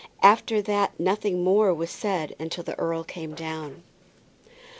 After that nothing more was said till the earl came down.